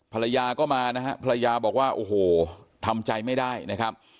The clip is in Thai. ภรรยาก็มานะฮะภรรยาบอกว่าโอ้โหทำใจไม่ได้นะครับ